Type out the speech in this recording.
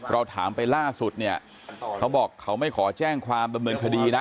เราถามไปล่าสุดเนี่ยเขาบอกเขาไม่ขอแจ้งความดำเนินคดีนะ